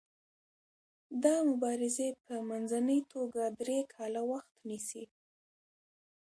دا مبارزې په منځنۍ توګه درې کاله وخت نیسي.